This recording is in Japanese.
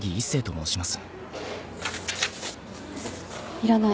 いらない。